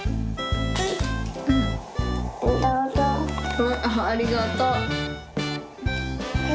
うんありがとう。どうぞ。